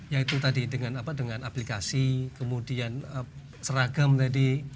yaitu tadi dengan aplikasi kemudian seragam tadi